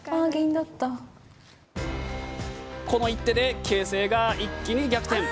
この一手で形勢が一気に逆転。